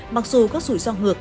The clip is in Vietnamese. mặc dù các rủi ro ngược